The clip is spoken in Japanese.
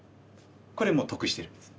これもう得してるんです。